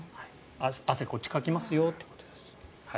汗、こっちかきますよということです。